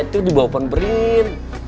itu di bawah pohon berin